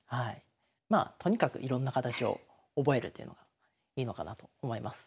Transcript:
まあとにかくいろんな形を覚えるというのがいいのかなと思います。